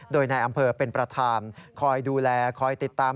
โดยนายอำเภอเป็นประธานคอยดูแลคอยติดตาม